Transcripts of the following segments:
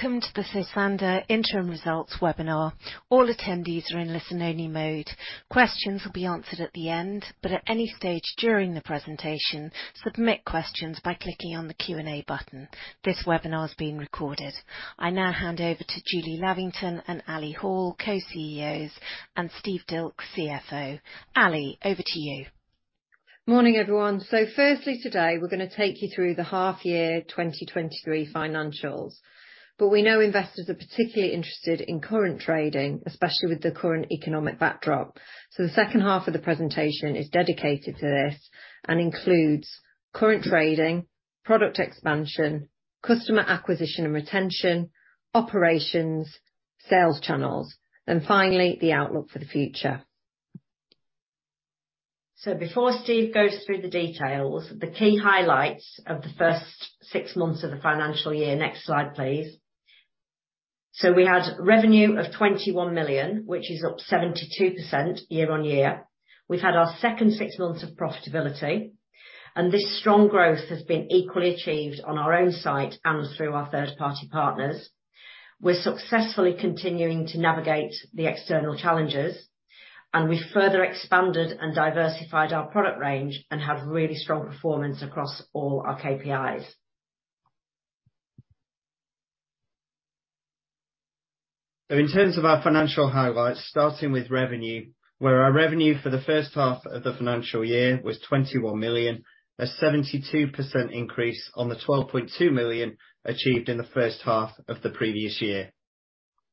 Welcome to the Sosandar Interim Results webinar. All attendees are in listen-only mode. Questions will be answered at the end, but at any stage during the presentation, submit questions by clicking on the Q&A button. This webinar is being recorded. I now hand over to Julie Lavington and Ali Hall, Co-CEOs, and Steve Dilks, CFO. Ali, over to you. Morning, everyone. Firstly today, we're going to take you through the half-year 2023 financials. We know investors are particularly interested in current trading, especially with the current economic backdrop. The second half of the presentation is dedicated to this and includes current trading, product expansion, customer acquisition and retention, operations, sales channels, and finally, the outlook for the future. Before Steve Dilks goes through the details, the key highlights of the first six months of the financial year. Next slide, please. We had revenue of 21 million, which is up 72% year-on-year. We've had our second six months of profitability, and this strong growth has been equally achieved on our own site and through our third-party partners. We're successfully continuing to navigate the external challenges, and we have further expanded and diversified our product range and have had really strong performance across all our KPIs. In terms of our financial highlights, starting with revenue, where our revenue for the first half of the financial year was 21 million, a 72% increase on the 12.2 million achieved in the first half of the previous year.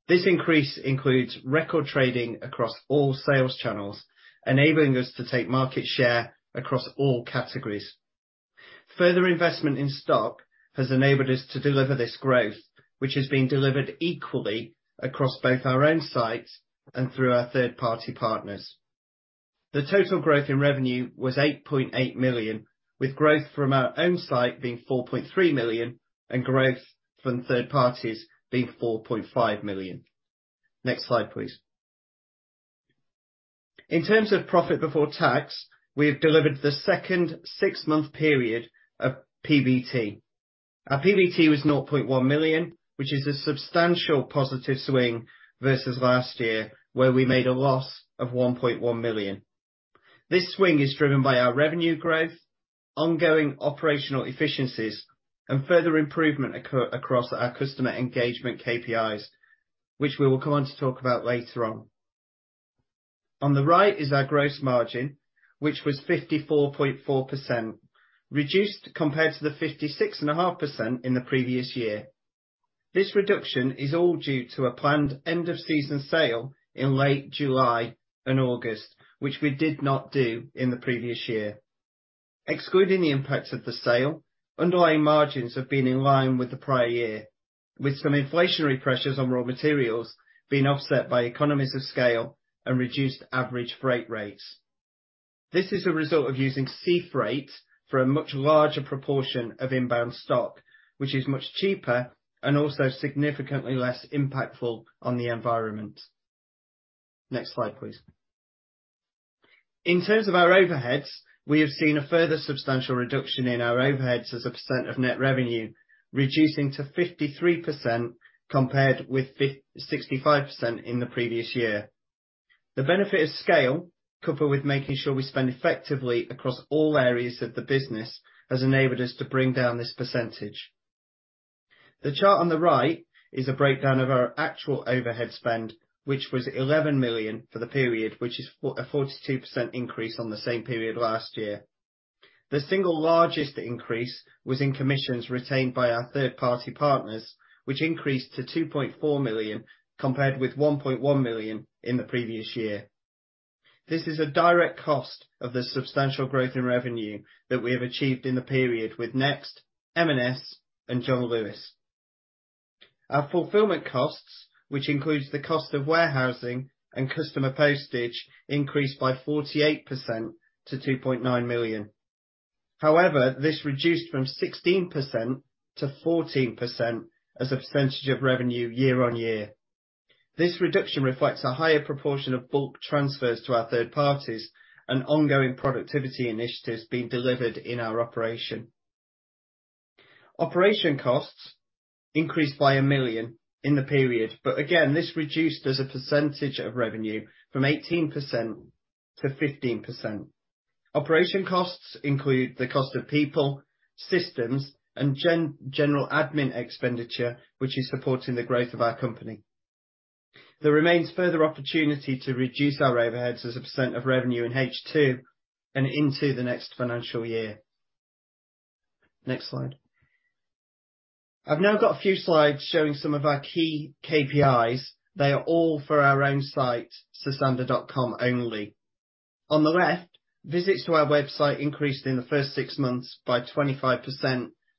This increase includes record trading across all sales channels, enabling us to take market share across all categories. Further investment in stock has enabled us to deliver this growth, which is being delivered equally across both our own sites and through our third-party partners. The total growth in revenue was 8.8 million, with growth from our own site being 4.3 million and growth from third parties being 4.5 million. Next slide, please. In terms of profit before tax, we have delivered the second six-month period of PBT. Our PBT was 0.1 million, which is a substantial positive swing versus last year, where we made a loss of 1.1 million. This swing is driven by our revenue growth, ongoing operational efficiencies, and further improvement across our customer engagement KPIs, which we will go on to talk about later on. On the right is our gross margin, which was 54.4%, reduced compared to the 56.5% in the previous year. This reduction is all due to a planned end-of-season sale in late July and August, which we did not do in the previous year. Excluding the impact of the sale, underlying margins have been in line with the prior year, with some inflationary pressures on raw materials being offset by economies of scale and reduced average freight rates. This is a result of using sea freight for a much larger proportion of inbound stock, which is much cheaper and also significantly less impactful on the environment. Next slide, please. In terms of our overheads, we have seen a further substantial reduction in our overheads as a percent of net revenue, reducing to 53% compared with 65% in the previous year. The benefit of scale, coupled with making sure we spend effectively across all areas of the business, has enabled us to bring down this percentage. The chart on the right is a breakdown of our actual overhead spend, which was 11 million for the period, which is for a 42% increase on the same period last year. The single largest increase was in commissions retained by our third-party partners, which increased to 2.4 million compared with 1.1 million in the previous year. This is a direct cost of the substantial growth in revenue that we have achieved in the period with Next, M&S, and John Lewis. Our fulfillment costs, which includes the cost of warehousing and customer postage, increased by 48% to 2.9 million. This reduced from 16% to 14% as a percentage of revenue year on year. This reduction reflects a higher proportion of bulk transfers to our third parties and ongoing productivity initiatives being delivered in our operation. Operation costs increased by 1 million in the period, but again, this reduced as a percentage of revenue from 18% to 15%. Operation costs include the cost of people, systems, and general admin expenditure, which is supporting the growth of our company. There remains further opportunity to reduce our overheads as a percent of revenue in H2 and into the next financial year. Next slide. I've now got a few slides showing some of our key KPIs. They are all for our own site, sosandar.com only. On the left, visits to our website increased in the first six months by 25%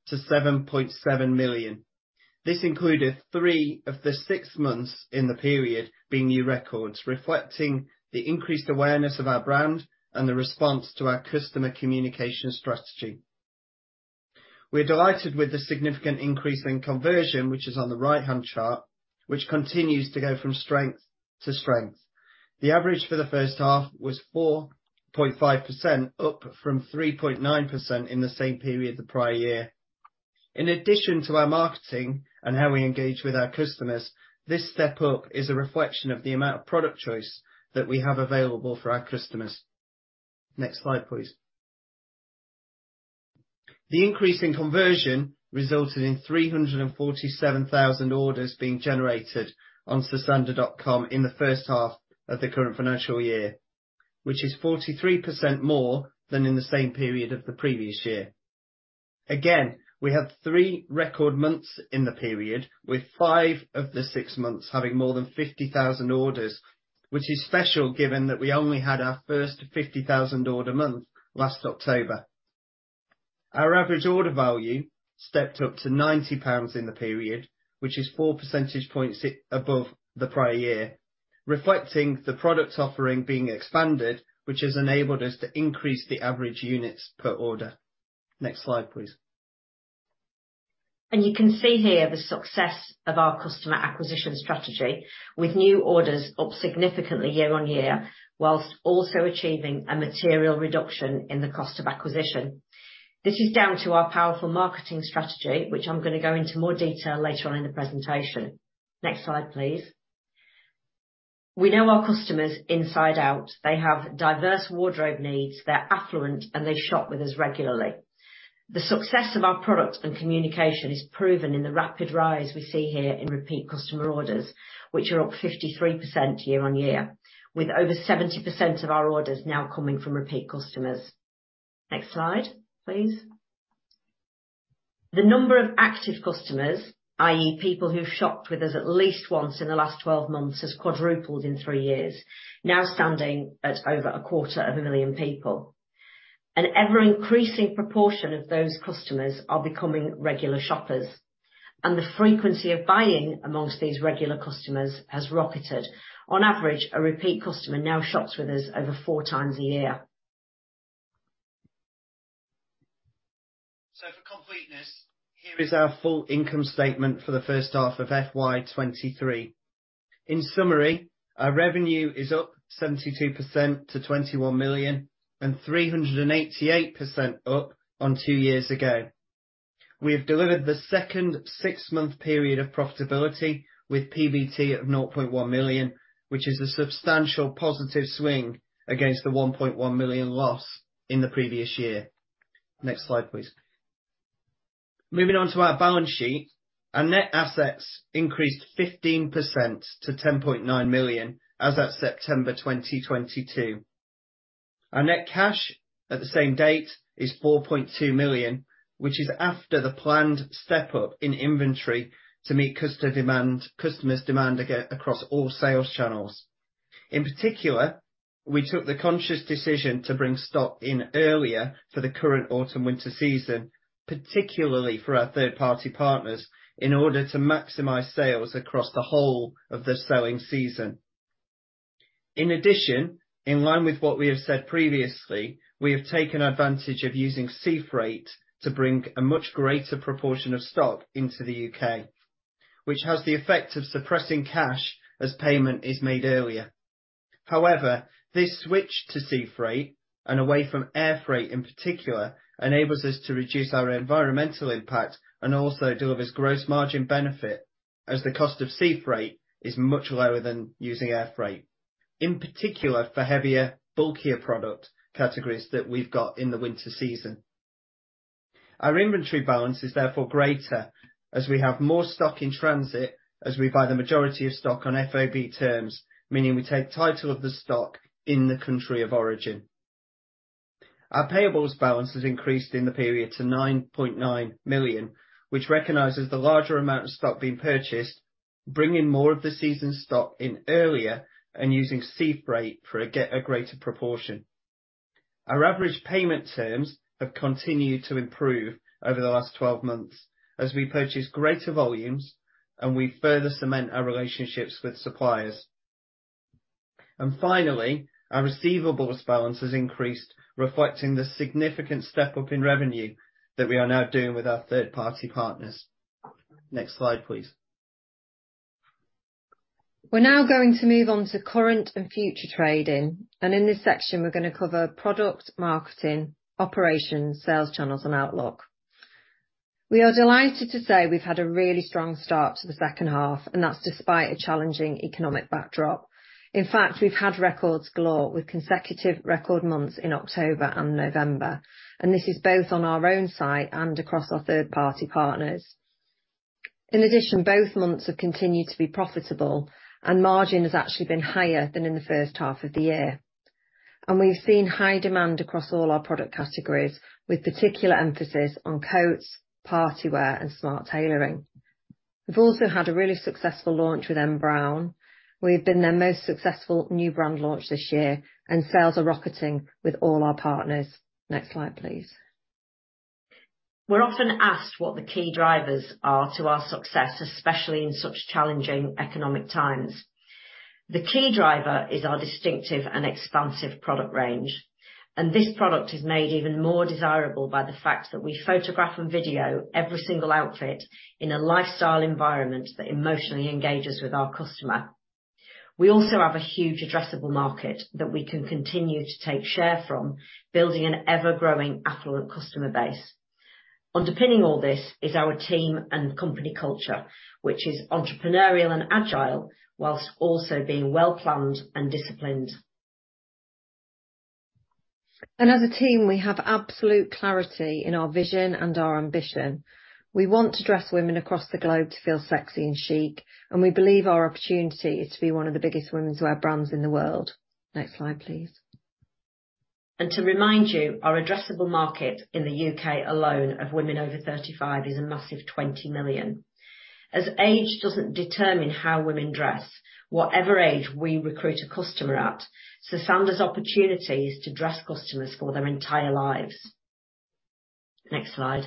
to 7.7 million. This included three of the six months in the period being new records, reflecting the increased awareness of our brand and the response to our customer communication strategy. We're delighted with the significant increase in conversion, which is on the right-hand chart, which continues to go from strength to strength. The average for the first half was 4.5%, up from 3.9% in the same period the prior year. In addition to our marketing and how we engage with our customers, this step up is a reflection of the amount of product choice that we have available for our customers. Next slide, please. The increase in conversion resulted in 347,000 orders being generated on sosandar.com in the first half of the current financial year, which is 43% more than in the same period of the previous year. We have three record months in the period, with five of the six months having more than 50,000 orders, which is special, given that we only had our first 50,000 order month last October. Our average order value stepped up to 90 pounds in the period, which is 4 percentage points above the prior year, reflecting the product offering being expanded, which has enabled us to increase the average units per order. Next slide, please. You can see here the success of our customer acquisition strategy with new orders up significantly year-on-year, whilst also achieving a material reduction in the cost of acquisition. This is down to our powerful marketing strategy, which I'm gonna go into more detail later on in the presentation. Next slide, please. We know our customers inside out. They have diverse wardrobe needs, they're affluent, and they shop with us regularly. The success of our product and communication is proven in the rapid rise we see here in repeat customer orders, which are up 53% year-on-year, with over 70% of our orders now coming from repeat customers. Next slide, please. The number of active customers, i.e, people who've shopped with us at least once in the last 12 months, has quadrupled in three years, now standing at over a quarter of a million people. An ever-increasing proportion of those customers are becoming regular shoppers. The frequency of buying amongst these regular customers has rocketed. On average, a repeat customer now shops with us over four times a year. For completeness, here is our full income statement for the first half of FY 2023. In summary, our revenue is up 72% to 21 million and 388% up on two years ago. We have delivered the second six-month period of profitability with PBT of 0.1 million, which is a substantial positive swing against the 1.1 million loss in the previous year. Next slide, please. Moving on to our balance sheet. Our net assets increased 15% to 10.9 million as at September 2022. Our net cash at the same date is 4.2 million, which is after the planned step up in inventory to meet customer demand, customer's demand across all sales channels. In particular, we took the conscious decision to bring stock in earlier for the current autumn-winter season, particularly for our third-party partners, in order to maximize sales across the whole of the selling season. In addition, in line with what we have said previously, we have taken advantage of using sea freight to bring a much greater proportion of stock into the U.K., which has the effect of suppressing cash as payment is made earlier. This switch to sea freight and away from air freight in particular enables us to reduce our environmental impact and also delivers gross margin benefit as the cost of sea freight is much lower than using air freight, in particular for heavier, bulkier product categories that we've got in the winter season. Our inventory balance is therefore greater as we have more stock in transit, as we buy the majority of stock on FOB terms, meaning we take title of the stock in the country of origin. Our payables balance has increased in the period to 9.9 million, which recognizes the larger amount of stock being purchased, bringing more of the season's stock in earlier and using sea freight for a greater proportion. Our average payment terms have continued to improve over the last 12 months as we purchase greater volumes and we further cement our relationships with suppliers. Finally, our receivables balance has increased, reflecting the significant step up in revenue that we are now doing with our third-party partners. Next slide, please. We're now going to move on to current and future trading. In this section, we're gonna cover product, marketing, operations, sales channels, and outlook. We are delighted to say we've had a really strong start to the second half. That's despite a challenging economic backdrop. In fact, we've had records galore with consecutive record months in October and November. This is both on our own site and across our third-party partners. Both months have continued to be profitable, and margin has actually been higher than in the first half of the year. We've seen high demand across all our product categories, with particular emphasis on coats, party wear, and smart tailoring. We've also had a really successful launch with N Brown. We've been their most successful new brand launch this year. Sales are rocketing with all our partners. Next slide, please. We're often asked what the key drivers are to our success, especially in such challenging economic times. The key driver is our distinctive and expansive product range, and this product is made even more desirable by the fact that we photograph and video every single outfit in a lifestyle environment that emotionally engages with our customers. We also have a huge addressable market that we can continue to take share from, building an ever-growing affluent customer base. Underpinning all this is our team and company culture, which is entrepreneurial and agile, whilst also being well-planned and disciplined. As a team, we have absolute clarity in our vision and our ambition. We want to dress women across the globe to feel sexy and chic, and we believe our opportunity is to be one of the biggest womenswear brands in the world. Next slide, please. To remind you, our addressable market in the U.K. alone of women over 35 is a massive 20 million. As age doesn't determine how women dress, whatever age we recruit a customer at, Sosandar's opportunity is to dress customers for their entire lives. Next slide.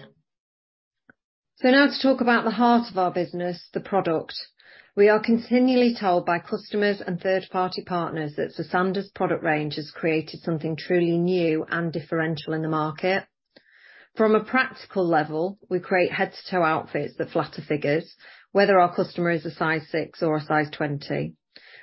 Now, to talk about the heart of our business, the product. We are continually told by customers and third-party partners that Sosandar's product range has created something truly new and differential in the market. From a practical level, we create head-to-toe outfits that flatter figures, whether our customer is a size 6 or a size 20.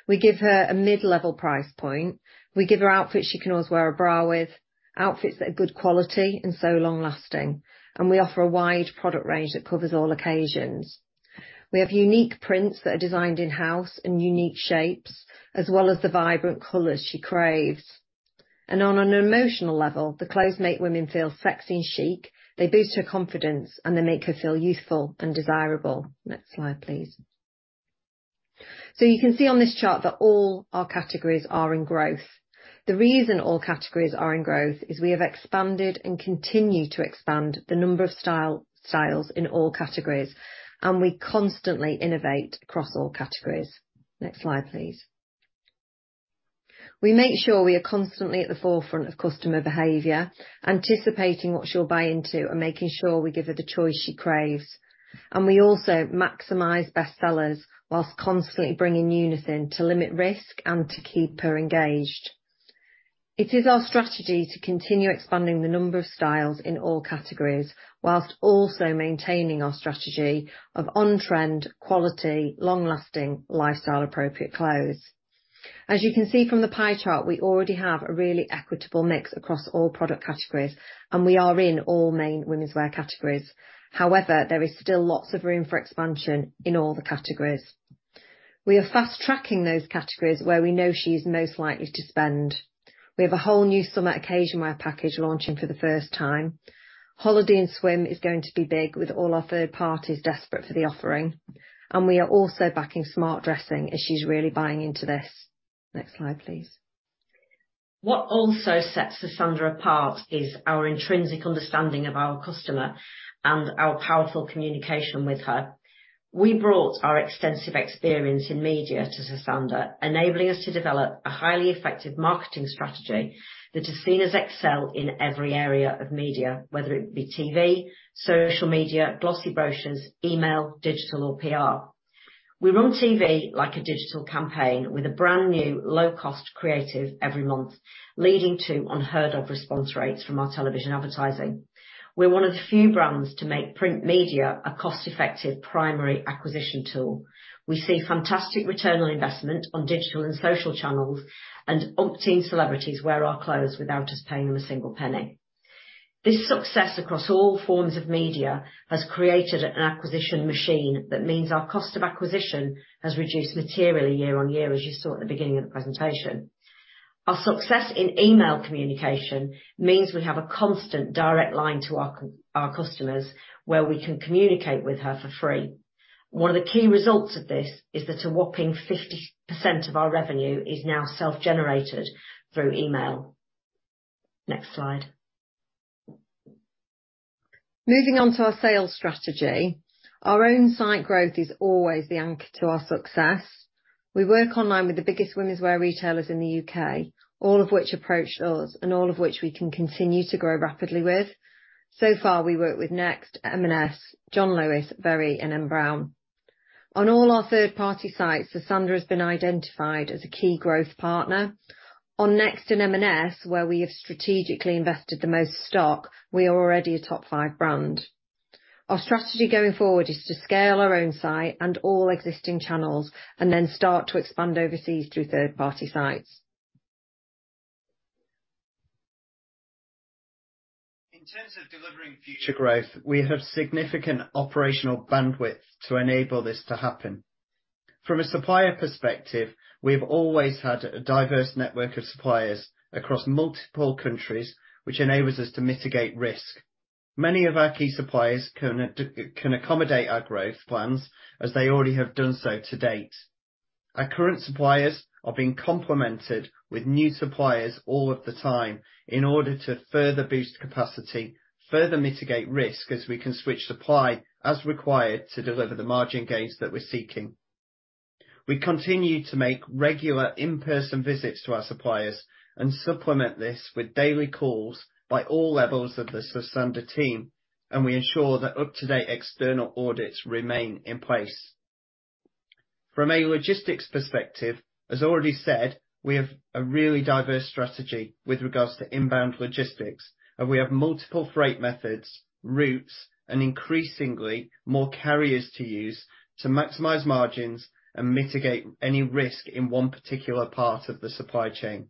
We give her a mid-level price point. We give her outfits she can always wear a bra with, outfits that are good quality and so long-lasting, and we offer a wide product range that covers all occasions. We have unique prints that are designed in-house and unique shapes, as well as the vibrant colors she craves. On an emotional level, the clothes make women feel sexy and chic, they boost her confidence, and they make her feel youthful and desirable. Next slide, please. You can see on this chart that all our categories are in growth. The reason all categories are in growth is we have expanded and continue to expand the number of style, styles in all categories, and we constantly innovate across all categories. Next slide, please. We make sure we are constantly at the forefront of customer behavior, anticipating what she'll buy into and making sure we give her the choice she craves. We also maximize bestsellers whilst constantly bringing newness in to limit risk and to keep her engaged. It is our strategy to continue expanding the number of styles in all categories, whilst also maintaining our strategy of on-trend, quality, long-lasting, lifestyle-appropriate clothes. You can see from the pie chart, we already have a really equitable mix across all product categories, and we are in all main womenswear categories. However, there is still lots of room for expansion in all the categories. We are fast-tracking those categories where we know she's most likely to spend. We have a whole new summer occasion wear package launching for the first time. Holiday and swim is going to be big with all our third parties desperate for the offering. We are also backing smart dressing as she's really buying into this. Next slide, please. What also sets Sosandar apart is our intrinsic understanding of our customer and our powerful communication with her. We brought our extensive experience in media to Sosandar, enabling us to develop a highly effective marketing strategy that has seen us excel in every area of media, whether it be TV, social media, glossy brochures, email, digital, or PR. We run TV like a digital campaign with a brand new low-cost creative every month, leading to unheard of response rates from our television advertising. We're one of the few brands to make print media a cost-effective primary acquisition tool. We see fantastic ROI on digital and social channels, umpteen celebrities wear our clothes without us paying them a single penny. This success across all forms of media has created an acquisition machine that means our cost of acquisition has reduced materially year-on-year, as you saw at the beginning of the presentation. Our success in email communication means we have a constant direct line to our customers, where we can communicate with her for free. One of the key results of this is that a whopping 50% of our revenue is now self-generated through email. Next slide. Moving on to our sales strategy. Our own site growth is always the anchor to our success. We work online with the biggest womenswear retailers in the U.K., all of which approach us and all of which we can continue to grow rapidly with. So far, we work with Next, M&S, John Lewis, Very, and N Brown. On all our third-party sites, Sosandar has been identified as a key growth partner. On Next and M&S, where we have strategically invested the most stock, we are already a top-five brand. Our strategy going forward is to scale our own site and all existing channels and then start to expand overseas through third-party sites. In terms of delivering future growth, we have significant operational bandwidth to enable this to happen. From a supplier perspective, we've always had a diverse network of suppliers across multiple countries, which enables us to mitigate risk. Many of our key suppliers can accommodate our growth plans as they already have done so to date. Our current suppliers are being complemented with new suppliers all of the time in order to further boost capacity, further mitigate risk, as we can switch supply as required to deliver the margin gains that we're seeking. We continue to make regular in-person visits to our suppliers and supplement this with daily calls by all levels of the Sosandar team, and we ensure that up-to-date external audits remain in place. From a logistics perspective, as already said, we have a really diverse strategy with regards to inbound logistics, and we have multiple freight methods, routes, and increasingly more carriers to use to maximize margins and mitigate any risk in one particular part of the supply chain.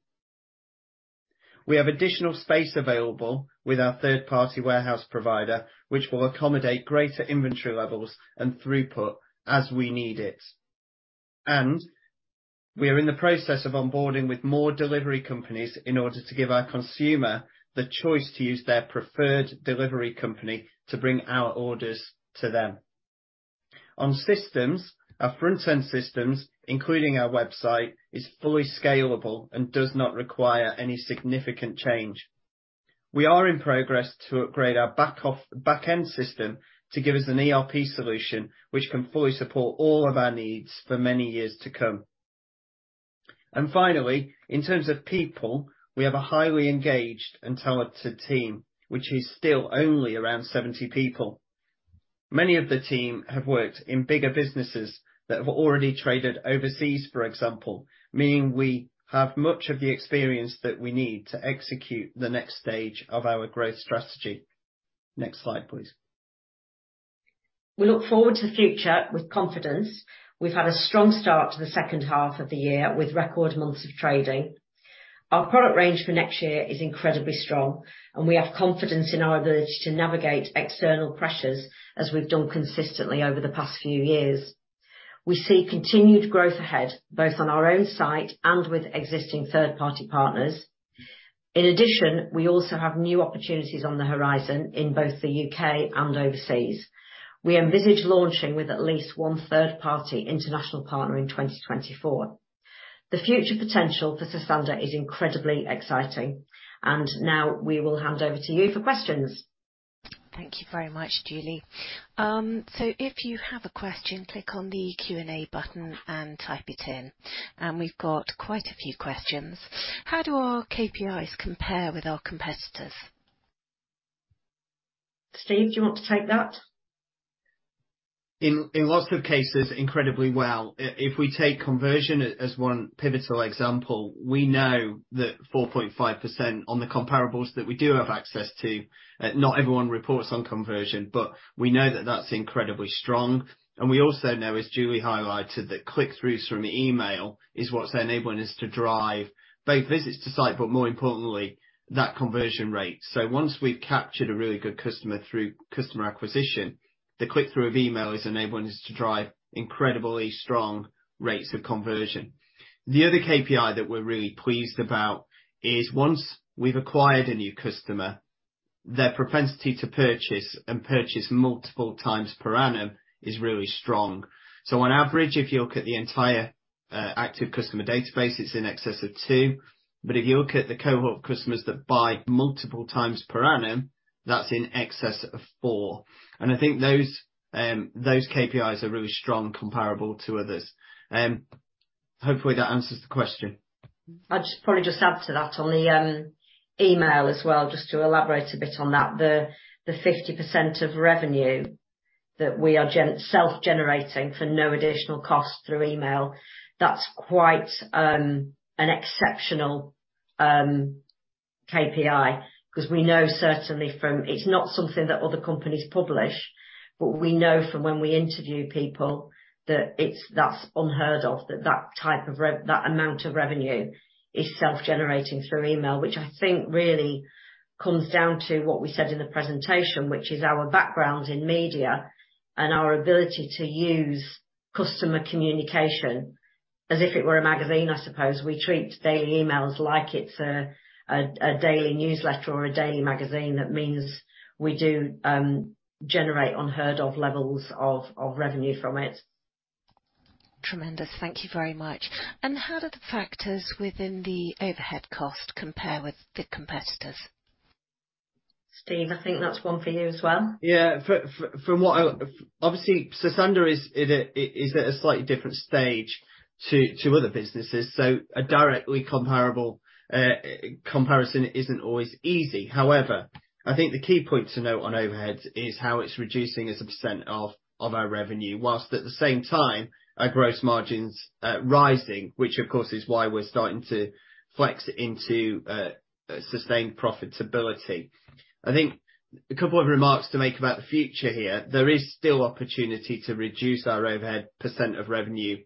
We have additional space available with our third-party warehouse provider, which will accommodate greater inventory levels and throughput as we need it. We are in the process of onboarding with more delivery companies in order to give our consumer the choice to use their preferred delivery company to bring our orders to them. On systems, our front-end systems, including our website, is fully scalable and does not require any significant change. We are in progress to upgrade our back-end system to give us an ERP solution which can fully support all of our needs for many years to come. Finally, in terms of people, we have a highly engaged and talented team, which is still only around 70 people. Many of the team have worked in bigger businesses that have already traded overseas, for example, meaning we have much of the experience that we need to execute the next stage of our growth strategy. Next slide, please. We look forward to the future with confidence. We've had a strong start to the second half of the year with record months of trading. Our product range for next year is incredibly strong, and we have confidence in our ability to navigate external pressures as we've done consistently over the past few years. We see continued growth ahead, both on our own site and with existing third-party partners. In addition, we also have new opportunities on the horizon in both the U.K. and overseas. We envisage launching with at least one third-party international partner in 2024. The future potential for Sosandar is incredibly exciting. Now we will hand over to you for questions. Thank you very much, Julie. If you have a question, click on the Q&A button and type it in. We've got quite a few questions. How do our KPIs compare with our competitors? Steve, do you want to take that? In lots of cases, incredibly well. If we take conversion as one pivotal example, we know that 4.5% on the comparables that we do have access to, not everyone reports on conversion, but we know that that's incredibly strong. We also know, as Julie highlighted, that click-throughs from email is what's enabling us to drive both visits to site, but more importantly, that conversion rate. Once we've captured a really good customer through customer acquisition, the click-through of email is enabling us to drive incredibly strong rates of conversion. The other KPI that we're really pleased about is once we've acquired a new customer, their propensity to purchase and purchase multiple times per annum is really strong. On average, if you look at the entire active customer database, it's in excess of two. If you look at the cohort of customers that buy multiple times per annum, that's in excess of four. I think those KPIs are really strong, comparable to others. Hopefully that answers the question? I'd just probably just add to that on the email as well, just to elaborate a bit on that. The 50% of revenue that we are self-generating for no additional cost through email that's quite an exceptional KPI. We know certainly. It's not something that other companies publish, but we know from when we interview people that that's unheard of, that that type of amount of revenue is self-generating through email, which I think really comes down to what we said in the presentation, which is our background in media and our ability to use customer communication as if it were a magazine, I suppose. We treat daily emails like it's a daily newsletter or a daily magazine. That means we do generate unheard-of levels of revenue from it. Tremendous. Thank you very much. How do the factors within the overhead cost compare with the competitors? Steve, I think that's one for you as well. Obviously, Sosandar is at a slightly different stage to other businesses, so a direct comparable comparison isn't always easy. I think the key point to note on overheads is how it's reducing as a percent of our revenue, whilst at the same time our gross margin's rising, which of course is why we're starting to flex into sustained profitability. I think a couple of remarks to make about the future here. There is still an opportunity to reduce our overhead percent of revenue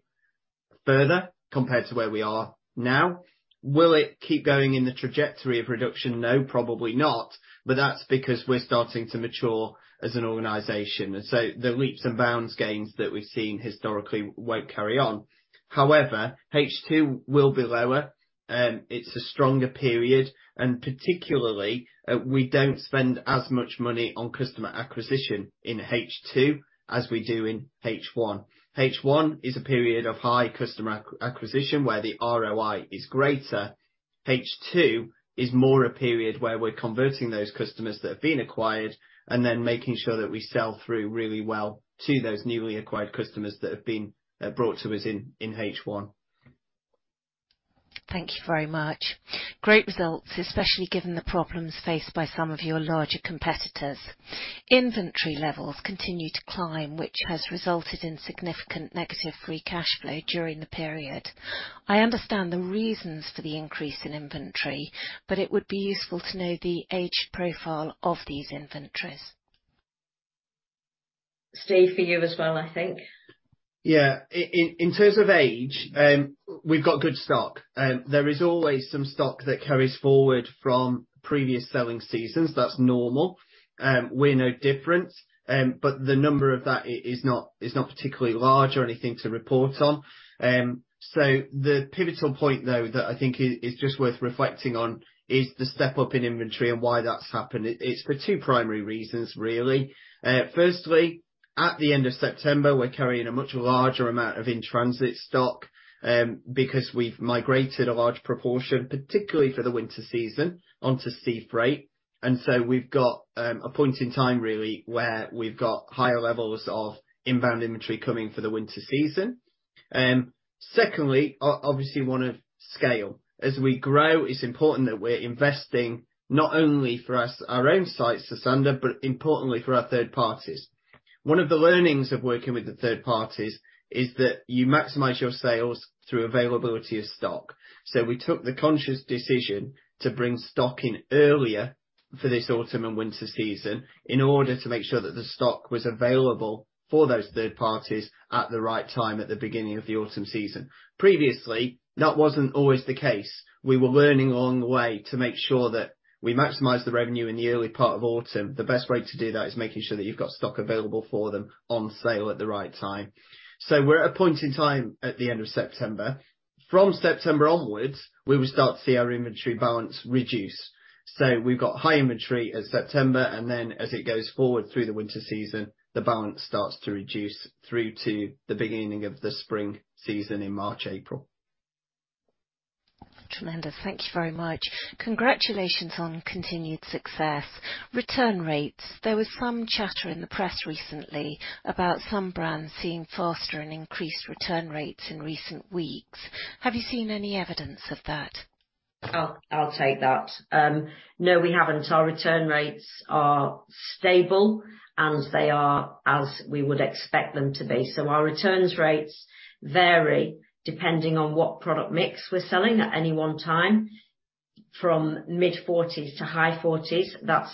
further compared to where we are now. Will it keep going in the trajectory of reduction? No, probably not. That's because we're starting to mature as an organization, the leaps and bounds gains that we've seen historically won't carry on. However, H2 will be lower. It's a stronger period. Particularly, we don't spend as much money on customer acquisition in H2 as we do in H1. H1 is a period of high customer acquisition where the ROI is greater. H2 is more of a period where we're converting those customers that have been acquired and then making sure that we sell through really well to those newly acquired customers that have been brought to us in H1. Thank you very much. Great results, especially given the problems faced by some of your larger competitors. Inventory levels continue to climb, which has resulted in significant negative free cash flow during the period. I understand the reasons for the increase in inventory, but it would be useful to know the age profile of these inventories Steve, for you as well, I think. In terms of age, we've got good stock. There is always some stock that carries forward from previous selling seasons. That's normal. We're no different. But the number of that is not particularly large or anything to report on. The pivotal point, though that I think is just worth reflecting on is the step up in inventory and why that's happened. It's for two primary reasons, really. Firstly, at the end of September, we're carrying a much larger amount of in-transit stock, because we've migrated a large proportion, particularly for the winter season, onto sea freight. And so we've got a point in time, really, where we've got higher levels of inbound inventory coming for the winter season. Secondly, obviously, one of scale. As we grow, it's important that we're investing not only for us, our own sites, Sosandar, but importantly for our third parties. One of the learnings of working with the third parties is that you maximize your sales through availability of stock. We took the conscious decision to bring stock in earlier for this autumn and winter season in order to make sure that the stock was available for those third parties at the right time at the beginning of the autumn season. Previously, that wasn't always the case. We were learning along the way to make sure that we maximize the revenue in the early part of autumn. The best way to do that is making sure that you've got stock available for them on sale at the right time. We're at a point in time at the end of September. From September onwards, we will start to see our inventory balance reduce. We've got high inventory at September, and then as it goes forward through the winter season, the balance starts to reduce through to the beginning of the spring season in March, April. Tremendous. Thank you very much. Congratulations on continued success. Return rates. There was some chatter in the press recently about some brands seeing faster and increased return rates in recent weeks. Have you seen any evidence of that? I'll take that. No, we haven't. Our return rates are stable, and they are as we would expect them to be. Our returns rates vary depending on what product mix we're selling at any one time, from mid-forties to high forties. That's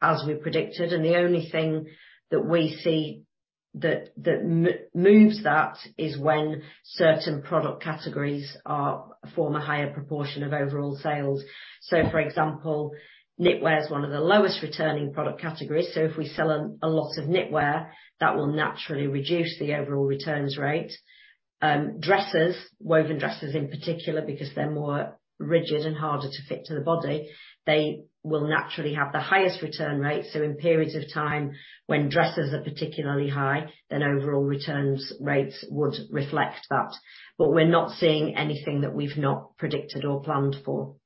as we predicted, and the only thing that we see that moves that is when certain product categories are form a higher proportion of overall sales. For example, knitwear is one of the lowest-returning product categories, so if we sell a lot of knitwear, that will naturally reduce the overall return rate. Dresses, woven dresses in particular, because they're more rigid and harder to fit to the body, they will naturally have the highest return rate. In periods of time when dresses are particularly high, overall return rates would reflect that. We're not seeing anything that we've not predicted or planned for.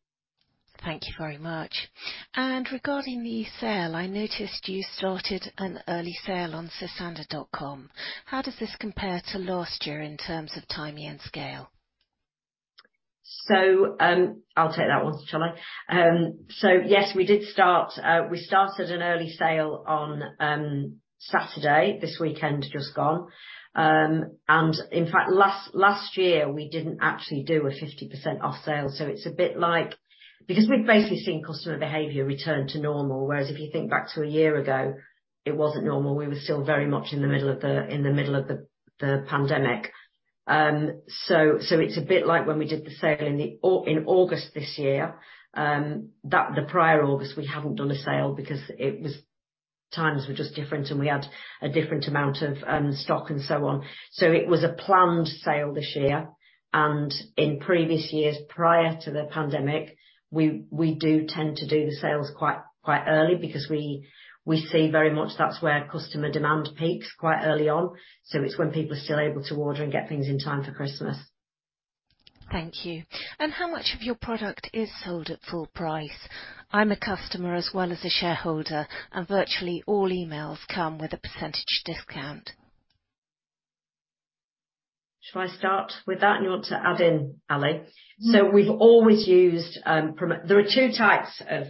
Thank you very much. Regarding the sale, I noticed you started an early sale on sosandar.com. How does this compare to last year in terms of timing and scale? I'll take that one, shall I? Yes, we started an early sale on Saturday, this weekend just gone. In fact, last year we didn't actually do a 50% off sale, so it's a bit like.. Because we've basically seen customer behavior return to normal, whereas if you think back to a year ago, it wasn't normal. We were still very much in the middle of the pandemic. It's a bit like when we did the sale in August this year, the prior August, we haven't done a sale because times were just different, and we had a different amount of stock and so on. It was a planned sale this year, and in previous years, prior to the pandemic, we do tend to do the sales quite early because we see very much that's where customer demand peaks quite early on, so it's when people are still able to order and get things in time for Christmas. Thank you. How much of your product is sold at full price? I'm a customer as well as a shareholder, and virtually all emails come with a percentage discount. Should I start with that, and you want to add in, Ali? We've always used. There are two types of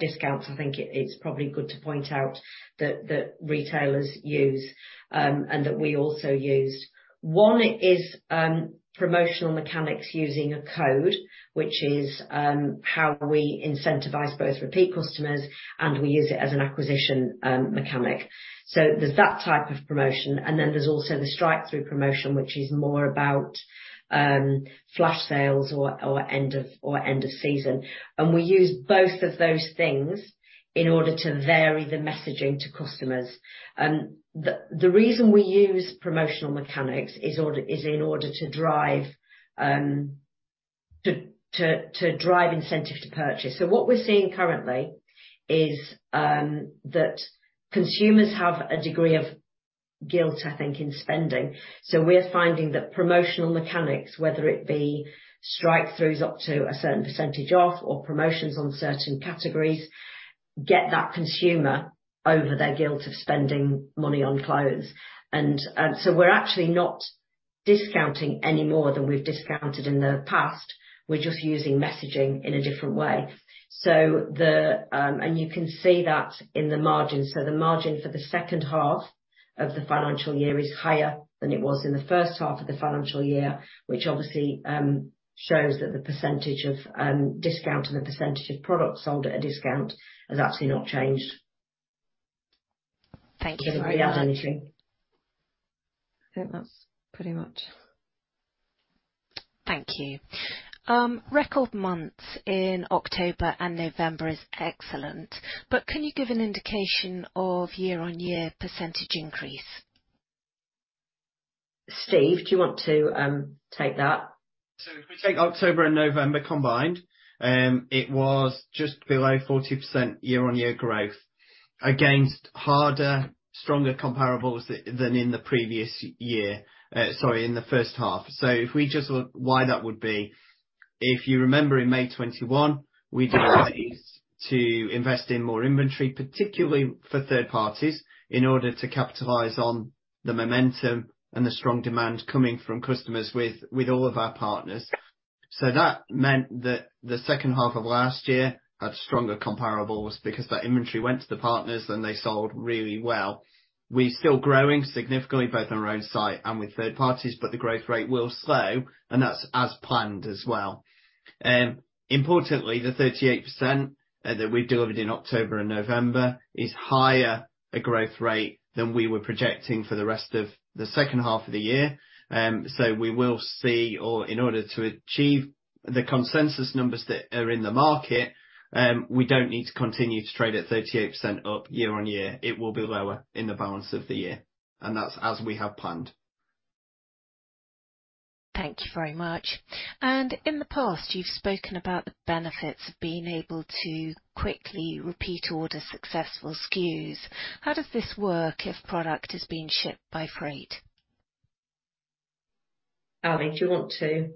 discounts, I think it's probably good to point out, that retailers use, and that we also use. One is promotional mechanics using a code, which is how we incentivize both repeat customers, and we use it as an acquisition mechanic. There's that type of promotion, and then there's also the strikethrough promotion, which is more about flash sales or end of season. We use both of those things in order to vary the messaging to customers. The reason we use promotional mechanics is in order to drive incentive to purchase. What we're seeing currently is that consumers have a degree of guilt, I think, in spending. We're finding that promotional mechanics, whether it be strikethroughs up to a certain percentage off or promotions on certain categories, get that consumer over their guilt of spending money on clothes. We're actually not discounting any more than we've discounted in the past. We're just using messaging in a different way. You can see that in the margin. The margin for the second half of the financial year is higher than it was in the first half of the financial year, which obviously shows that the percentage of discount and the percentage of product sold at a discount has actually not changed. Thank you very much. I think that's pretty much.. Thank you. Record months in October and November is excellent. Can you give an indication of year-on-year percentage increase? Steve, do you want to take that? If we take October and November combined, it was just below 40% year-on-year growth against harder, stronger comparables than in the previous year. Sorry, in the first half. If we just look at why that would be, if you remember in May 2021, we decided to invest in more inventory, particularly for third parties, in order to capitalize on the momentum and the strong demand coming from customers with all of our partners. That meant that the second half of last year had stronger comparables because that inventory went to the partners, and they sold really well. We're still growing significantly, both on our own site and with third parties, but the growth rate will slow, and that's as planned as well. Importantly, the 38% that we delivered in October and November is higher a growth rate than we were projecting for the rest of the second half of the year. We will see, or in order to achieve the consensus numbers that are in the market, we don't need to continue to trade at 38% up year on year. It will be lower in the balance of the year, and that's as we have planned. Thank you very much. In the past, you've spoken about the benefits of being able to quickly repeat order successful SKUs. How does this work if product is being shipped by freight? Ali, do you want to-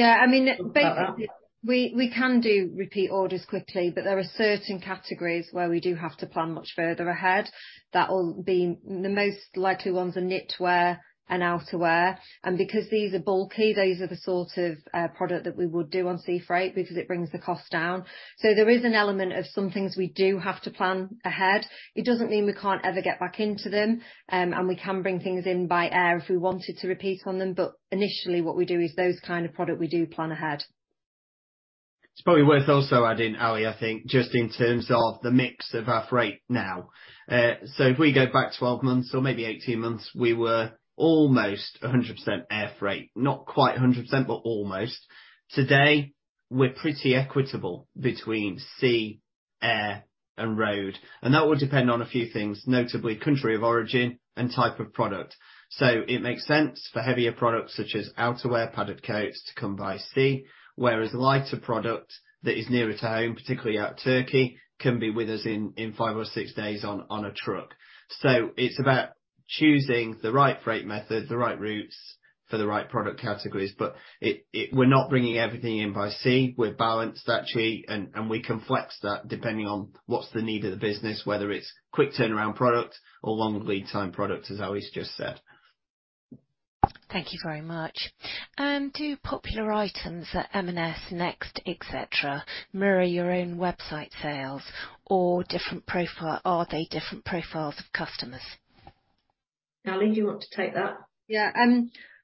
I mean, basically, we can do repeat orders quickly, but there are certain categories where we do have to plan much further ahead. The most likely ones are knitwear and outerwear, and because these are bulky, those are the sort of products that we would do on sea freight because it brings the cost down. There is an element of some things we do have to plan ahead. It doesn't mean we can't ever get back into them, and we can bring things in by air if we wanted to repeat on them. Initially, what we do is those kind of product, we do plan ahead. It's probably worth also adding, Ali, I think, just in terms of the mix of our freight now. If we go back 12 months or maybe 18 months, we were almost 100% air freight. Not quite 100%, but almost. Today, we're pretty equitable between sea, air, and road, and that will depend on a few things, notably country of origin and type of product. It makes sense for heavier products such as outerwear, padded coats to come by sea, whereas lighter product that is nearer to home, particularly out Turkey, can be with us in five or six days on a truck. It's about choosing the right freight method, the right routes for the right product categories. It, we're not bringing everything in by sea. We're balanced actually, and we can flex that depending on what's the need of the business, whether it's quick turnaround product or longer lead time product, as Ali's just said. Thank you very much. Do popular items at M&S, Next, et cetera, mirror your own website sales? Are they different profiles of customers? Ali, do you want to take that? Yeah.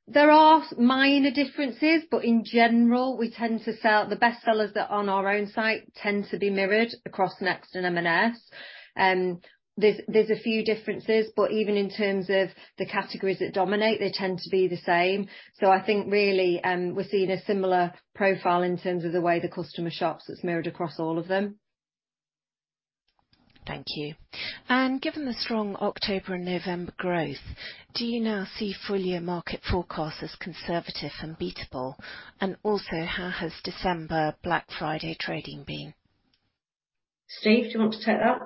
There are minor differences, but in general, The best sellers that are on our own site tend to be mirrored across Next and M&S. There's a few differences, but even in terms of the categories that dominate, they tend to be the same. I think really, we're seeing a similar profile in terms of the way the customer shops that's mirrored across all of them. Thank you. Given the strong October and November growth, do you now see full year market forecasts as conservative and beatable? Also, how has December Black Friday trading been? Steve, do you want to take that?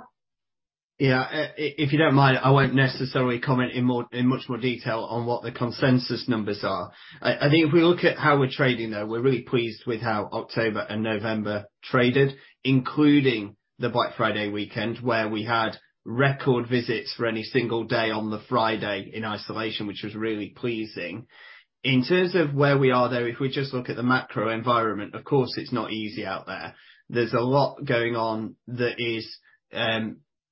Yeah. If you don't mind, I won't necessarily comment in more, in much more detail on what the consensus numbers are. I think if we look at how we're trading, though, we're really pleased with how October and November traded, including the Black Friday weekend, where we had record visits for any single day on the Friday in isolation, which was really pleasing. In terms of where we are, though, if we just look at the macro environment, of course, it's not easy out there. There's a lot going on that is,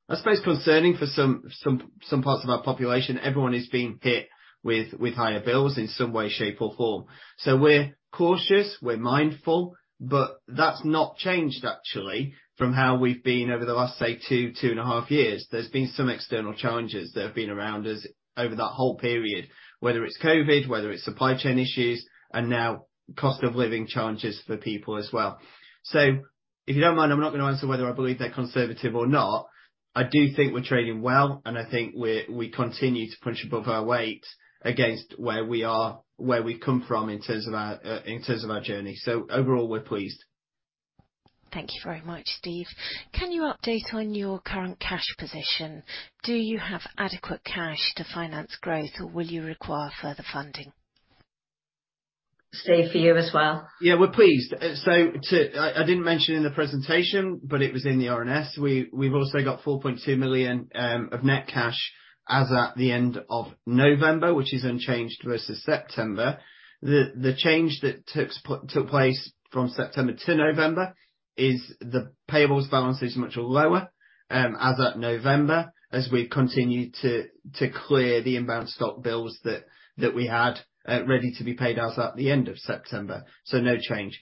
I suppose, concerning for some parts of our population. Everyone is being hit with higher bills in some way, shape, or form. We're cautious, we're mindful, but that's not changed, actually, from how we've been over the last, say, two and a half years. There's been some external challenges that have been around us over that whole period, whether it's COVID, whether it's supply chain issues, and now cost-of-living challenges for people as well. If you don't mind, I'm not gonna answer whether I believe they're conservative or not. I do think we're trading well, and I think we continue to punch above our weight against where we are, where we've come from in terms of our in terms of our journey. Overall, we're pleased. Thank you very much, Steve. Can you update on your current cash position? Do you have adequate cash to finance growth, or will you require further funding? Steve, for you as well. We're pleased. I didn't mention in the presentation, but it was in the RNS, we've also got 4.2 million of net cash as at the end of November, which is unchanged versus September. The change that took place from September to November is the payables balance is much lower as at November, as we continue to clear the inbound stock bills that we had ready to be paid as at the end of September. No change.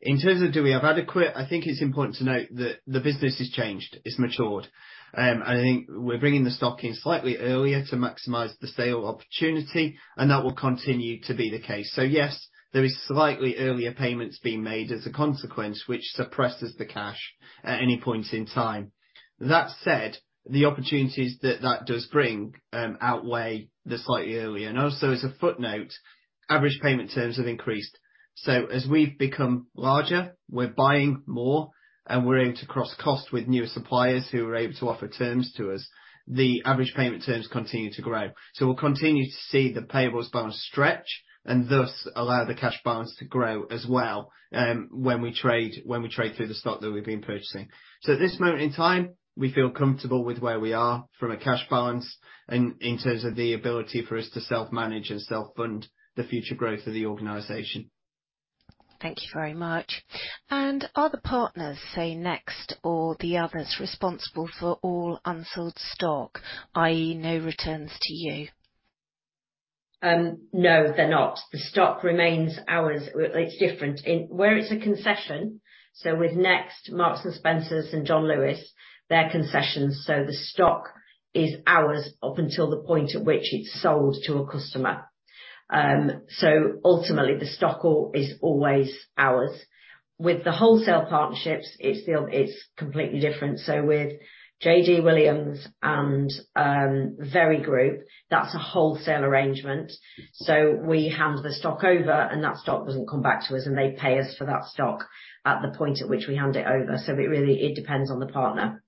In terms of do we have adequate, I think it's important to note that the business has changed, it's matured. I think we're bringing the stock in slightly earlier to maximize the sale opportunity, and that will continue to be the case. Yes, there is slightly earlier payments being made as a consequence, which suppresses the cash at any point in time. That said, the opportunities that that does bring outweigh the slightly earlier. Also, as a footnote, average payment terms have increased. As we've become larger, we're buying more, and we're able to cross costs with newer suppliers who are able to offer terms to us. The average payment terms continue to grow. We'll continue to see the payables balance stretch and thus allow the cash balance to grow as well when we trade through the stock that we've been purchasing. At this moment in time, we feel comfortable with where we are from a cash balance in terms of the ability for us to self-manage and self-fund the future growth of the organization. Thank you very much. Are the partners, say Next or the others, responsible for all unsold stock, i.e., no returns to you? No, they're not. The stock remains ours. It's different. In where it's a concession, so with Next, Marks & Spencer, and John Lewis, they're concessions, so the stock is ours up until the point at which it's sold to a customer. Ultimately, the stock all is always ours. With the wholesale partnerships, it's completely different. With JD Williams and Very Group, that's a wholesale arrangement, so we hand the stock over, and that stock doesn't come back to us, and they pay us for that stock at the point at which we hand it over. It really, it depends on the partner.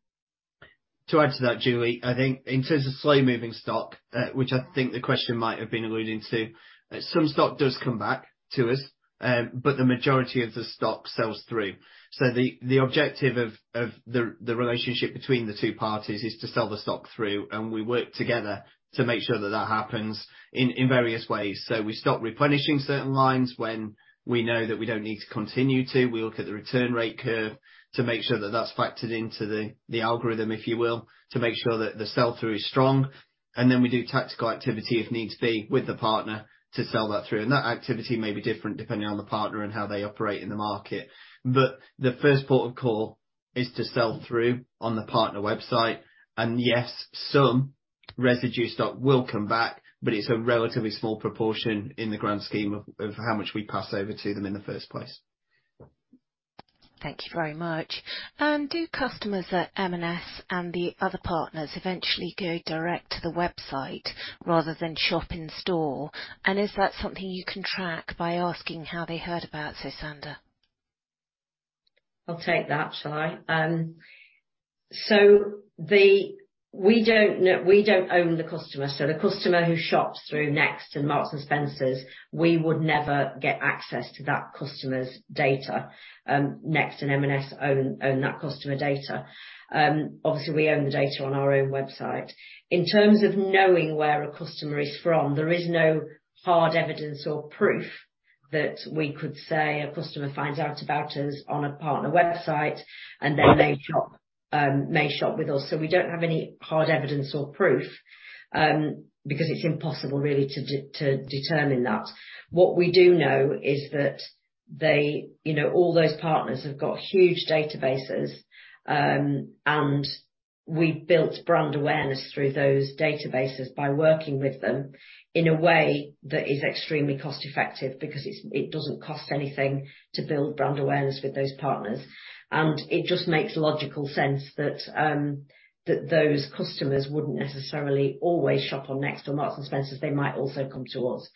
To add to that, Julie, I think in terms of slow-moving stock, which I think the question might have been alluding to, some stock does come back to us, but the majority of the stock sells through. The objective of the relationship between the two parties is to sell the stock through, and we work together to make sure that that happens in various ways. We stop replenishing certain lines when we know that we don't need to continue to. We look at the return rate curve to make sure that that's factored into the algorithm, if you will, to make sure that the sell-through is strong. We do tactical activity if needs be, with the partner to sell that through. That activity may be different depending on the partner and how they operate in the market. The first port of call is to sell through on the partner website. Yes, some residue stock will come back, but it's a relatively small proportion in the grand scheme of how much we pass over to them in the first place. Thank you very much. Do customers at M&S and the other partners eventually go direct to the website rather than shop in-store? Is that something you can track by asking how they heard about Sosandar? I'll take that, shall I? The.. We don't own the customer, so the customer who shops through Next and Marks & Spencer, we would never get access to that customer's data. Next and M&S own that customer data. Obviously, we own the data on our own website. In terms of knowing where a customer is from, there is no hard evidence or proof that we could say a customer finds out about us on a partner website, and then they shop, may shop with us. We don't have any hard evidence or proof, because it's impossible really to determine that. What we do know is that they.. You know, all those partners have got huge databases, and we've built brand awareness through those databases by working with them in a way that is extremely cost-effective because it's, it doesn't cost anything to build brand awareness with those partners. It just makes logical sense that those customers wouldn't necessarily always shop on Next or Marks & Spencer. They might also come to us.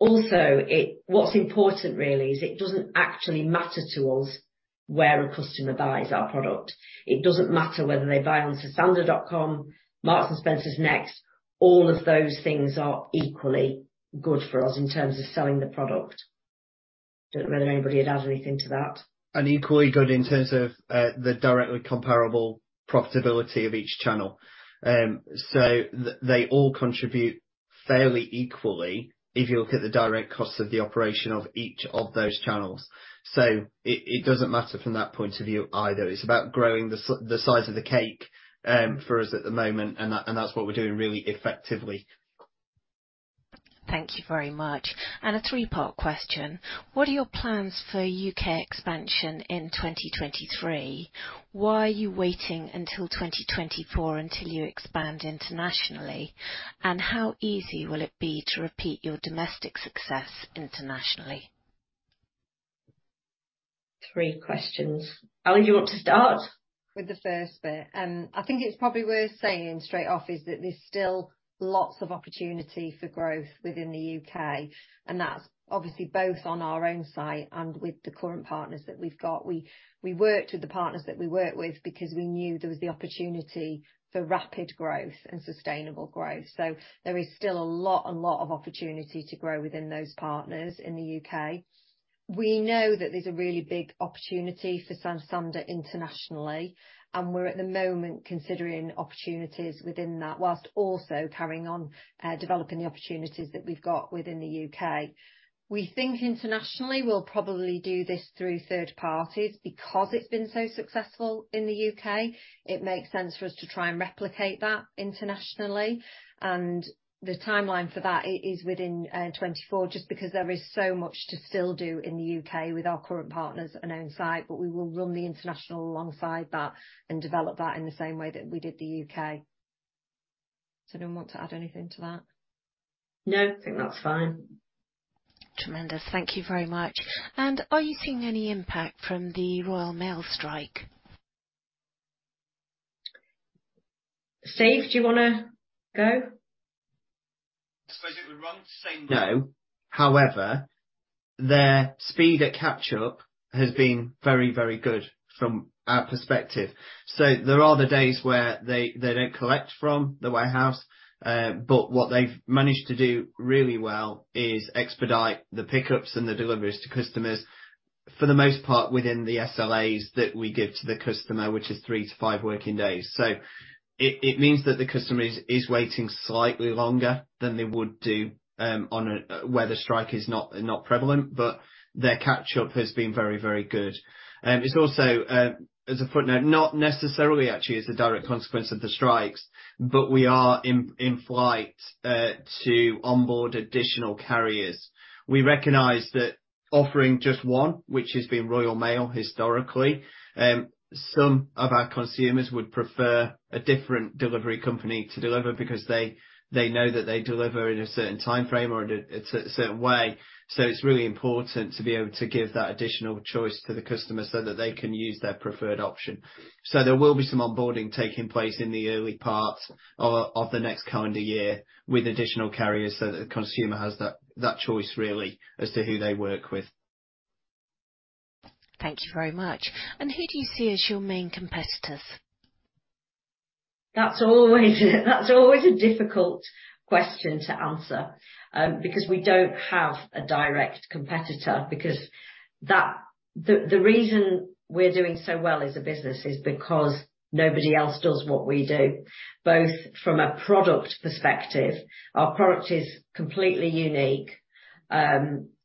Also, what's important really is it doesn't actually matter to us where a customer buys our product. It doesn't matter whether they buy on sosandar.com, Marks & Spencer, Next. All of those things are equally good for us in terms of selling the product. Don't know whether anybody would add anything to that? Equally good in terms of the directly comparable profitability of each channel. They all contribute fairly equally if you look at the direct cost of the operation of each of those channels. It, it doesn't matter from that point of view either. It's about growing the size of the cake, for us at the moment, and that, and that's what we're doing really effectively. Thank you very much. A three-part question: What are your plans for U.K. expansion in 2023? Why are you waiting until 2024 until you expand internationally? How easy will it be to repeat your domestic success internationally? Three questions. Ali, do you want to start? With the first bit, I think it's probably worth saying straight off is that there's still lots of opportunity for growth within the U.K. That's obviously both on our own site and with the current partners that we've got. We worked with the partners that we worked with because we knew there was the opportunity for rapid growth and sustainable growth. There is still a lot of opportunity to grow within those partners in the U.K. We know that there's a really big opportunity for Sosandar internationally, and we're at the moment considering opportunities within that while also carrying on developing the opportunities that we've got within the U.K. We think internationally we'll probably do this through third parties. It's been so successful in the U.K., it makes sense for us to try and replicate that internationally. The timeline for that is within 2024, just because there is so much to still do in the U.K. with our current partners and own site, but we will run the international alongside that and develop that in the same way that we did the U.K. Anyone want to add anything to that? No, I think that's fine. Tremendous. Thank you very much. Are you seeing any impact from the Royal Mail strike? Steve, do you wanna go? I suppose it would be wrong to say no. However, their speed at catch-up has been very, very good from our perspective. There are the days where they don't collect from the warehouse. What they've managed to do really well is expedite the pickups and the deliveries to customers, for the most part, within the SLAs that we give to the customer, which is three to five working days. It means that the customer is waiting slightly longer than they would do on a where the strike is not prevalent, but their catch-up has been very, very good. It's also as a footnote, not necessarily actually as a direct consequence of the strikes, but we are in flight to onboard additional carriers. We recognize that offering just one, which has been Royal Mail historically, some of our consumers would prefer a different delivery company to deliver because they know that they deliver in a certain timeframe or in a certain way. It's really important to be able to give that additional choice to the customer so that they can use their preferred option. There will be some onboarding taking place in the early part of the next calendar year with additional carriers so that the consumer has that choice, really, as to who they work with. Thank you very much. Who do you see as your main competitors? That's always a difficult question to answer, because we don't have a direct competitor. The reason we're doing so well as a business is because nobody else does what we do, both from a product perspective. Our product is completely unique,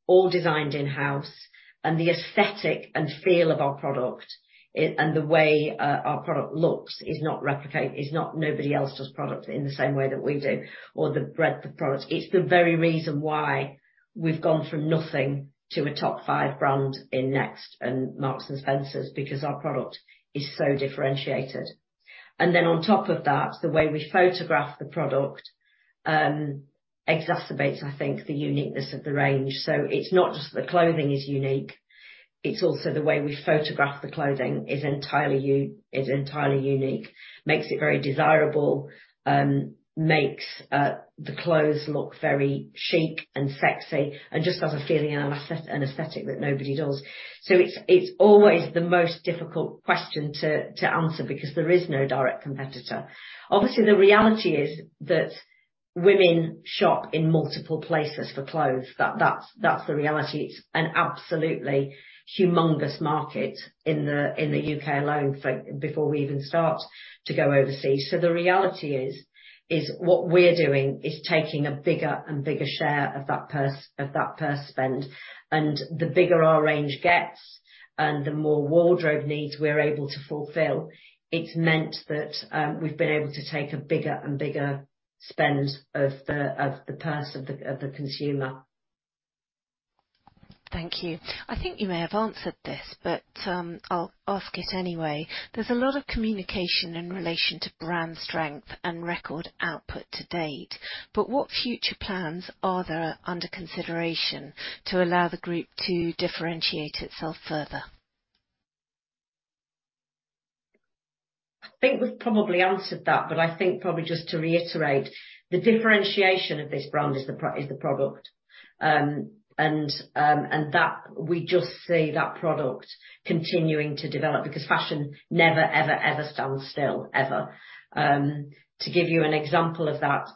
all designed in-house. The aesthetic and feel of our product and the way our product looks is not replicated, is not. Nobody else does product in the same way that we do or the breadth of product. It's the very reason why we've gone from nothing to a top 5 brand in Next and Marks & Spencer, because our product is so differentiated. Then on top of that, the way we photograph the product exacerbates, I think, the uniqueness of the range. It's not just that the clothing is unique, it's also the way we photograph the clothing is entirely unique. Makes it very desirable, makes the clothes look very chic and sexy, and just has a feeling and aesthetic that nobody does. It's always the most difficult question to answer because there is no direct competitor. Obviously, the reality is that women shop in multiple places for clothes. That's the reality. It's an absolutely humongous market in the U.K. alone, for before we even start to go overseas. The reality is what we're doing is taking a bigger and bigger share of that purse, of that purse spend. The bigger our range gets and the more wardrobe needs we're able to fulfill, it's meant that we've been able to take a bigger and bigger spend of the purse of the consumer. Thank you. I think you may have answered this, but I'll ask it anyway. There's a lot of communication in relation to brand strength and record output to date, but what future plans are there under consideration to allow the group to differentiate itself further? I think we've probably answered that, I think, probably just to reiterate, the differentiation of this brand is the product. That we just see that product continuing to develop because fashion never, ever stands still. Ever. To give you an example of that,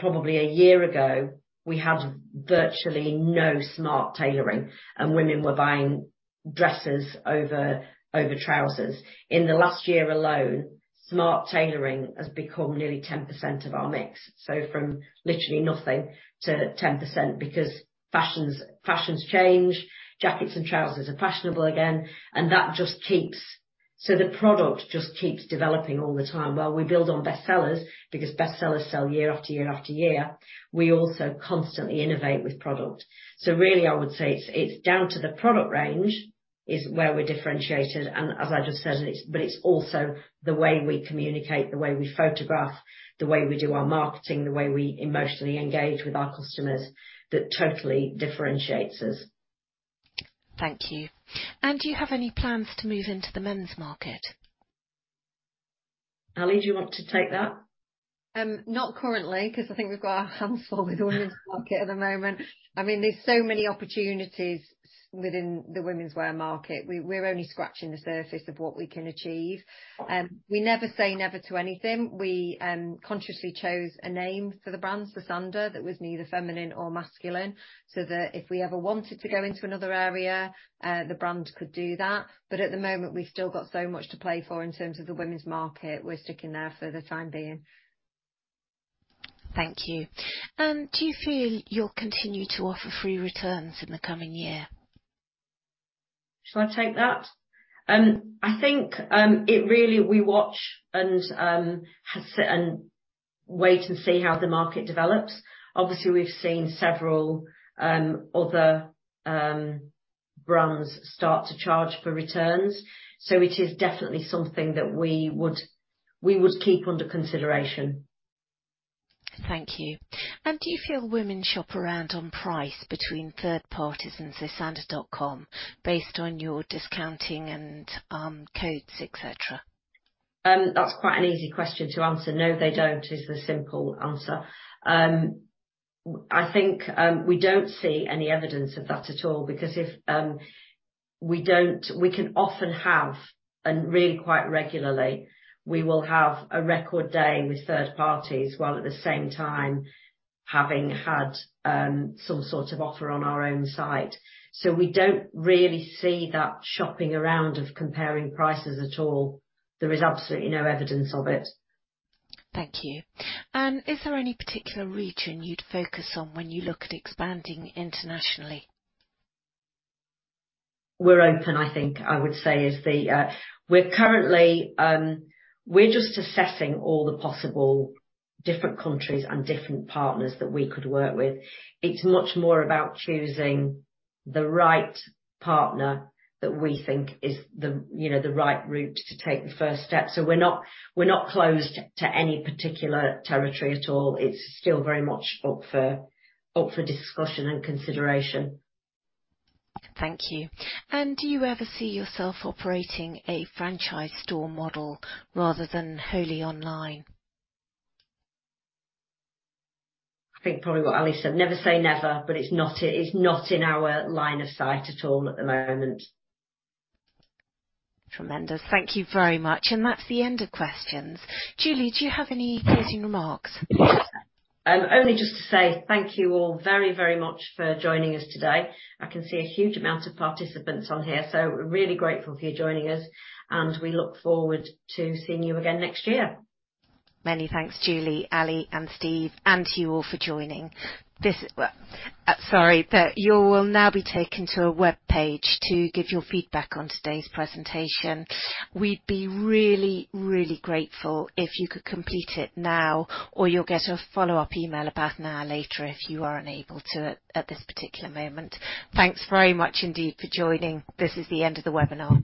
probably a year ago, we had virtually no smart tailoring, and women were buying dresses over trousers. In the last year alone, smart tailoring has become nearly 10% of our mix. From literally nothing to 10% because fashions change. Jackets and trousers are fashionable again, and that just keeps developing all the time. While we build on bestsellers, because bestsellers sell year after year after year, we also constantly innovate with products. Really, I would say it's down to the product range is where we're differentiated, and, as I just said, it's also the way we communicate, the way we photograph, the way we do our marketing, the way we emotionally engage with our customers that totally differentiates us. Thank you. Do you have any plans to move into the men's market? Ali, do you want to take that? Not currently, 'cause I think we've got our hands full with the women's market at the moment. I mean, there's so many opportunities within the womenswear market. We're only scratching the surface of what we can achieve. We never say never to anything. We consciously chose a name for the brand, Sosandar, that was neither feminine nor masculine, so that if we ever wanted to go into another area, the brand could do that. At the moment, we've still got so much to play for in terms of the women's market. We're sticking there for the time being. Thank you. Do you feel you'll continue to offer free returns in the coming year? Shall I take that? I think, we watch and sit and wait to see how the market develops. Obviously, we've seen several other, brands start to charge for returns. It is definitely something that we would keep under consideration. Thank you. Do you feel women shop around on price between third parties and zalando.com based on your discounting and codes, et cetera? That's quite an easy question to answer. No, they don't, is the simple answer. I think we don't see any evidence of that at all because if we can often have, and really quite regularly, we will have a record day with third parties, while at the same time having had some sort of offer on our own site. We don't really see that shopping around of comparing prices at all. There is absolutely no evidence of it. Thank you. Is there any particular region you'd focus on when you look at expanding internationally? We're open, I think I would say is the. We're currently, we're just assessing all the possible different countries and different partners that we could work with. It's much more about choosing the right partner that we think is the, you know, the right route to take the first step. We're not, we're not closed to any particular territory at all. It's still very much up for, up for discussion and consideration. Thank you. Do you ever see yourself operating a franchise store model rather than wholly online? I think probably what Ali said, never say never, but it's not, it's not in our line of sight at all at the moment. Tremendous. Thank you very much. That's the end of questions. Julie, do you have any closing remarks? Only just to say thank you all very, very much for joining us today. I can see a huge amount of participants on here. We're really grateful for you joining us. We look forward to seeing you again next year. Many thanks, Julie, Ali, and Steve, and to you all for joining. sorry. You will now be taken to a webpage to give your feedback on today's presentation. We'd be really grateful if you could complete it now, or you'll get a follow-up email about one hour later if you are unable to at this particular moment. Thanks very much indeed for joining. This is the end of the webinar.